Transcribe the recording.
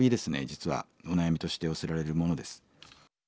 実はお悩みとして寄せられるものです。